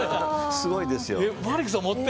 すごいですよ。